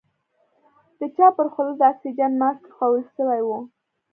د چا پر خوله د اکسيجن ماسک ايښوول سوى و.